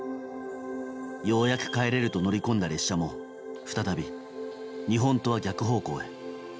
ようやく帰れると乗り込んだ列車も再び日本とは逆方向へ。